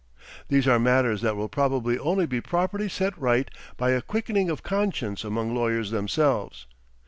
These are matters that will probably only be properly set right by a quickening of conscience among lawyers themselves.